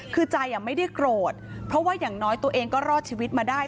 คือใจไม่ได้โกรธเพราะว่าอย่างน้อยตัวเองก็รอดชีวิตมาได้